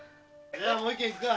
もう一件行くか！